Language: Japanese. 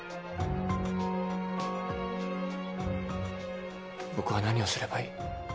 僕は何をすればいい？